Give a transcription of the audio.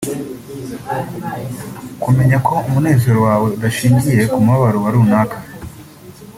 Kumenya ko umunezero wawe udashingiye ku mubabaro wa runaka